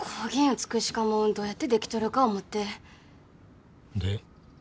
美しかもんどうやって出来とるか思ってで？